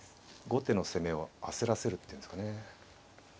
後手の攻めを焦らせるっていうんですかね。